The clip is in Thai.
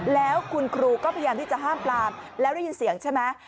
แล้วคุณครูก็พยายามที่จะห้ามปลามแล้วได้ยินเสียงใช่ไหม